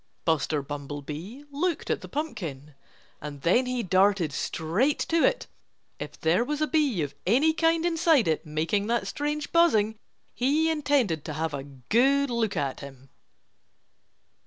Buster Bumblebee looked at the pumpkin. And then he darted straight to it. If there was a bee of any kind inside it, making that strange buzzing, he intended to have a good look at him.